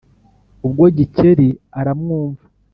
Ubwo Gikeli aramwumva.